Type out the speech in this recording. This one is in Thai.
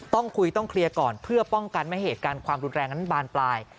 ต้องคุยต้องเคลียร์ก่อนเพื่อป้องกันไม่เหตุการณ์ความรุนแรงนั้นบานปลาย